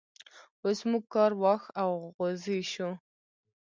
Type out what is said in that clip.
اوس موږ کار واښ او غوزی شو.